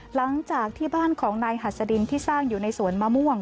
หลังจากที่บ้านของนายหัสดินที่สร้างอยู่ในสวนมะม่วง